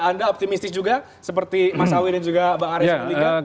anda optimistis juga seperti mas awilin juga pak arief juga